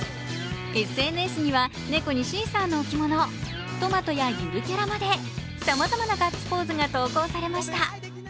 ＳＮＳには猫にシーサーの置物、トマトやゆるキャラまでさまざまなガッツポーズが投稿されました。